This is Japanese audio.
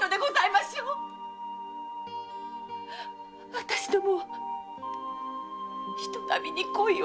私どもは人なみに恋をして。